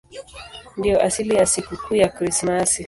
Ndiyo asili ya sikukuu ya Krismasi.